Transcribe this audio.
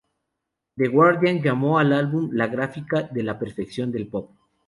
The Guardian llamó al álbum "la gráfica de la perfección del pop.